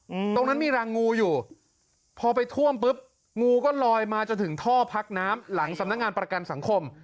อืมตรงนั้นมีรังงูอยู่พอไปท่วมปุ๊บงูก็ลอยมาจนถึงท่อพักน้ำหลังสำนักงานประกันสังคม